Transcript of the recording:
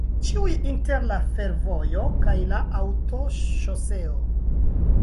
Ĉiuj inter la fervojo kaj la aŭtoŝoseo.